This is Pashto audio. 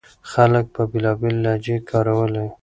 خلک به بېلابېلې لهجې کارولې.